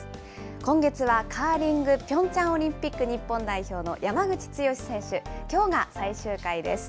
今月は、カーリングピョンチャンオリンピック日本代表の山口剛史選手、きょうが最終回です。